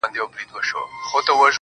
چي يې سم نيمی له ياده يم ايستلی~